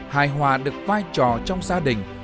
hài hòa được vai trò trong gia đình